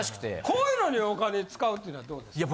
こういうのにお金使うっていうのはどうですか？